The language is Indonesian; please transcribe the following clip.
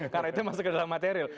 karena itu masuk ke dalam material